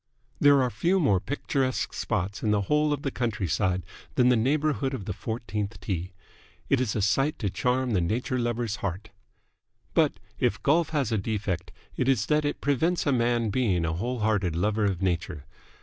There are few more picturesque spots in the whole of the countryside than the neighbourhood of the fourteenth tee. It is a sight to charm the nature lover's heart. But, if golf has a defect, it is that it prevents a man being a whole hearted lover of nature.